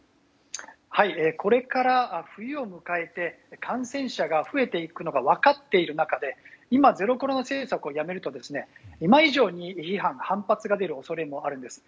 これから冬を迎えて感染者が増えていくのが分かっている中で今、ゼロコロナ政策をやめると今以上に反発が出る恐れもあるんです。